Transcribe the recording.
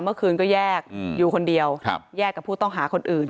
เมื่อคืนก็แยกอยู่คนเดียวแยกกับผู้ต้องหาคนอื่น